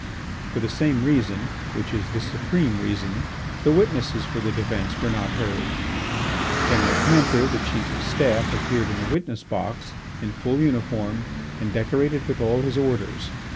For the same reason, which is the supreme reason, the witnesses for the defence were not heard. General Panther, the Chief of the Staff, appeared in the witness box, in full uniform and decorated with all his orders.